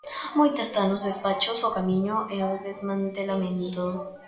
Moita está nos despachos O camiño é o do desmantelamento.